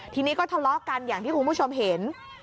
ทีนี้ก็ทะเลาะกันอย่างที่คุณผู้ชมเห็น